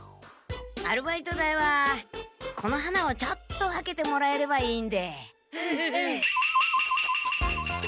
アルバイト代はこの花をちょっと分けてもらえればいいんで。